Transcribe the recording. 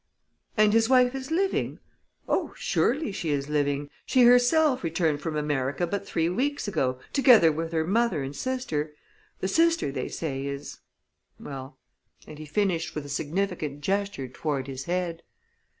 "And his wife is living?" "Oh, surely, she is living; she herself returned from America but three weeks ago, together with her mother and sister. The sister, they say, is well " and he finished with a significant gesture toward his head.